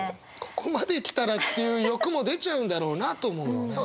ここまで来たらっていう欲も出ちゃうんだろうなと思うのね。